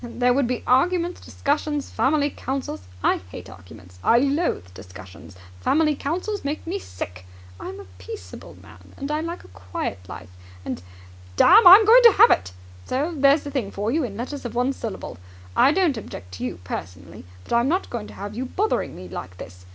There would be arguments, discussions, family councils! I hate arguments! I loathe discussions! Family councils make me sick! I'm a peaceable man, and I like a quiet life! And, damme, I'm going to have it. So there's the thing for you in letters of one syllable. I don't object to you personally, but I'm not going to have you bothering me like this.